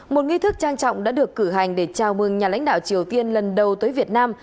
một nghi thức trang trọng đã được cử hành để chào mừng nhà lãnh đạo triều tiên lần đầu tới việt nam